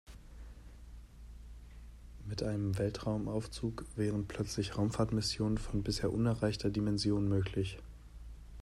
Mit einem Weltraumaufzug wären plötzlich Raumfahrtmissionen von bisher unerreichter Dimension möglich.